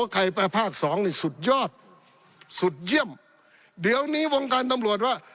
ใครไปภาคสองนี่สุดยอดสุดเยี่ยมเดี๋ยวนี้วงการตำรวจว่า